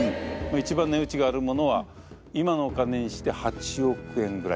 一番値打ちがあるものは今のお金にして８億円ぐらいかな。